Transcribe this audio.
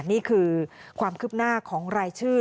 นี่คือความคืบหน้าของรายชื่อ